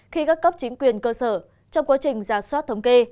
khi các cấp chính quyền cơ sở trong quá trình giả soát thống kê